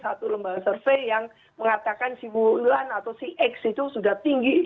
satu lembaga survei yang mengatakan si wulan atau si x itu sudah tinggi